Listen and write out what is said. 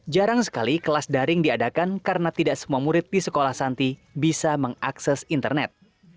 jarang sekali kelas daring diadakan karena tidak semua murid di sekolah santi bisa mengakses internet